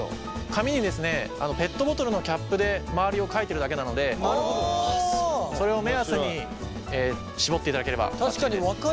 紙にペットボトルのキャップで周りを書いてるだけなのでそれを確かに分かりやすいですね